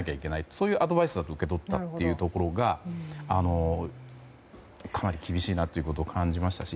そういうアドバイスだと受け取ったというところがかなり厳しいなということを感じましたし